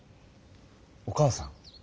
お母さん？